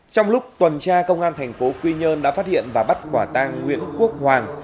trong lúc tuần tra công an thành phố quy nhơn đã phát hiện và bắt quả tang nguyễn quốc hoàng